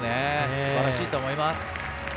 すばらしいと思います。